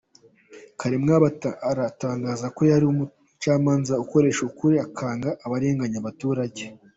Kaliwabo atangaza ko yari umucamanza ukoresha ukuri akanga abarenganya abaturage.